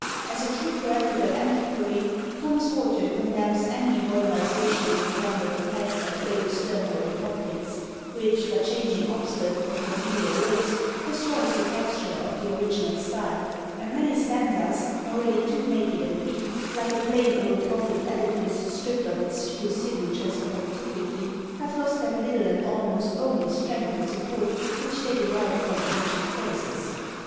As a true poetical antiquary, Thomas Warton condemns any modernisation of the venerable text of the old Sternhold and Hopkins, which, by changing obsolete for familiar words, destroys the texture of the original style; and many stanzas, already too naked and weak, like a plain old Gothic edifice stripped of its few signatures of antiquity, have lost that little and almost only strength and support which they derived from ancient phrases.